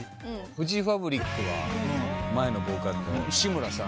フジファブリックは前のボーカルの。